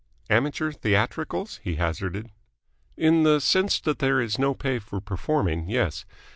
"Amateur theatricals?" he hazarded. "In the sense that there is no pay for performing, yes.